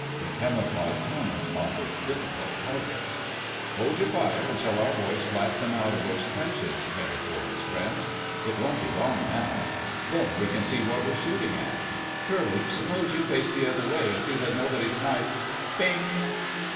Their camouflaged helmets offered difficult targets. "Hold your fire until our boys blast them out of those trenches," Barry told his friends. "It won't be long now. Then we can see what we're shooting at. Curly, suppose you face the other way and see that nobody snipes—" PING!